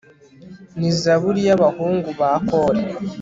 ni zaburi y'abahungu ba kore